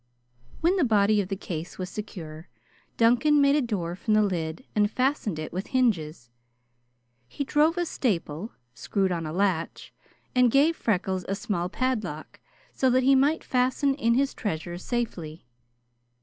When the body of the case was secure, Duncan made a door from the lid and fastened it with hinges. He drove a staple, screwed on a latch, and gave Freckles a small padlock so that he might fasten in his treasures safely.